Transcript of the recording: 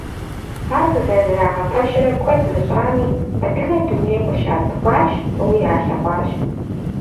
Ар къызэрызэрагъэпэщрэ куэд мыщӏами, адыгэ дунейм къыщацӏыхуащ, фӏыуи ялъэгъуащ.